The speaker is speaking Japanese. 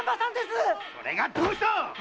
それがどうした！